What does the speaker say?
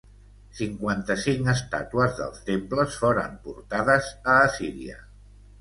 Cinquanta-cinc estàtues dels temples foren portades a Assíria.